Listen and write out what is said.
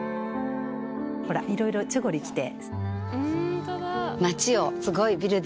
ほらいろいろチョゴリ着て。